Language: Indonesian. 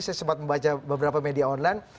saya sempat membaca beberapa media online